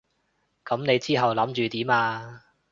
噉你之後諗住點啊？